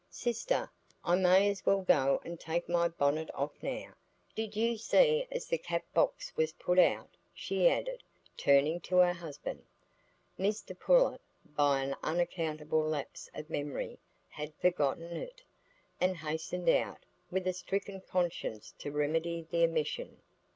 "Sister, I may as well go and take my bonnet off now. Did you see as the cap box was put out?" she added, turning to her husband. Mr Pullet, by an unaccountable lapse of memory, had forgotten it, and hastened out, with a stricken conscience, to remedy the omission.